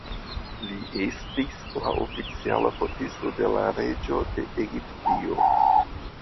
Li estis la oficiala fotisto de la reĝo de Egiptio.